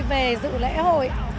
về dự lễ hội